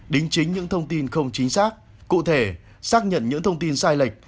đính chính những thông tin không chính xác cụ thể xác nhận những thông tin sai lệch